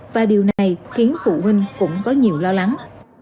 và điều này khiến phụ huynh cũng có nhiều lo lắng